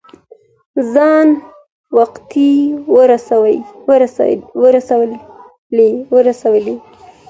ځان وختي ور رسولی